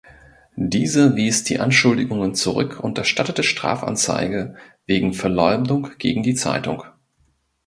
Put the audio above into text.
Dieser wies die Anschuldigungen zurück und erstattete Strafanzeige wegen Verleumdung gegen die Zeitung.